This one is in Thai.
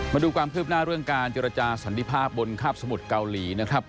มาดูความคืบหน้าเรื่องการเจรจาสันติภาพบนคาบสมุทรเกาหลีนะครับ